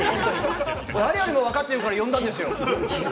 我々、分かってるから呼んだんですよ。